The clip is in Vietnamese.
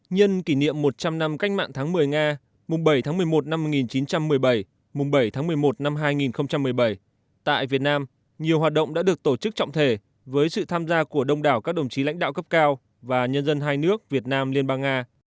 nhân kỷ niệm một trăm linh năm cách mạng tháng một mươi nga mùng bảy tháng một mươi một năm một nghìn chín trăm một mươi bảy mùng bảy tháng một mươi một năm hai nghìn một mươi bảy tại việt nam nhiều hoạt động đã được tổ chức trọng thể với sự tham gia của đông đảo các đồng chí lãnh đạo cấp cao và nhân dân hai nước việt nam liên bang nga